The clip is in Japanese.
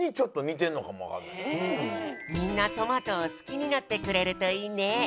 みんなトマトを好きになってくれるといいね。